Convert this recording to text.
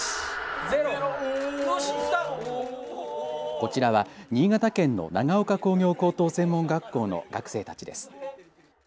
こちらは新潟県の長岡工業高等専門学校の学生たちです。